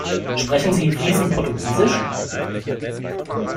Sprechen Sie fließend Portugiesisch?